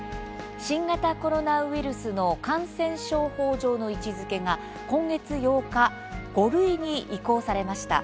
新型コロナウイルスの感染症法上の位置づけが今月８日、５類に移行されました。